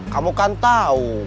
kamu kan tahu